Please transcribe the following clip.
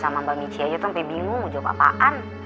mbak michi aja tuh sampe bingung mau jawab apaan